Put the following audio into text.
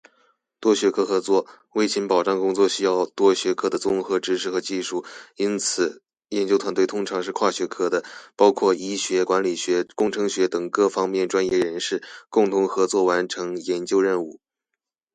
多学科合作：卫勤保障工作需要多学科的综合知识和技术，因此研究团队通常是跨学科的，包括医学、管理学、工程学等各方面专业人士，共同合作完成研究任务。